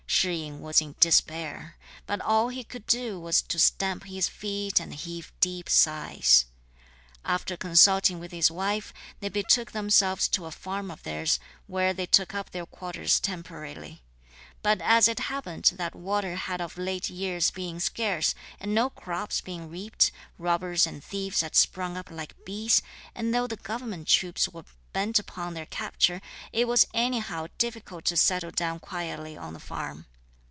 Shih yin was in despair, but all he could do was to stamp his feet and heave deep sighs. After consulting with his wife, they betook themselves to a farm of theirs, where they took up their quarters temporarily. But as it happened that water had of late years been scarce, and no crops been reaped, robbers and thieves had sprung up like bees, and though the Government troops were bent upon their capture, it was anyhow difficult to settle down quietly on the farm.